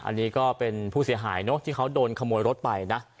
อันนี้ก็เป็นผู้เสียหายเนอะที่เขาโดนขโมยรถไปนะ